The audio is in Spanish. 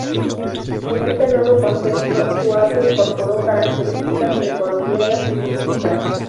En este nuevo contexto, su arte incorporó características precolombinas y mestizas.